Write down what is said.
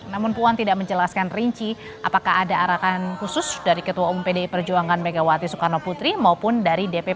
namun puan tidak menjelaskan rinci apakah ada arahan khusus dari ketua umum pdi perjuangan megawati soekarno putri maupun dari dpp